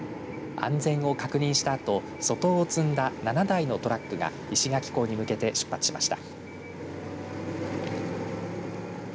安全を確認したあと粗糖を積んだ７台のトラックが石垣港に向けて出発しました。